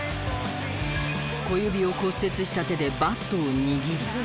小指を骨折した手でバットを握り。